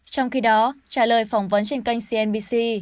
trong khi đó trả lời phỏng vấn trên kênh cnbc